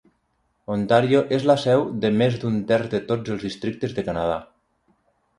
Ontario és la seu de més d'un terç de tots els districtes de Canadà.